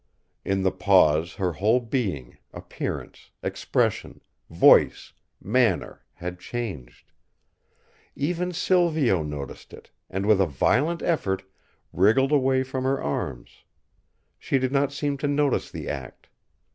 In the pause her whole being, appearance, expression, voice, manner had changed. Even Silvio noticed it, and with a violent effort wriggled away from her arms; she did not seem to notice the act.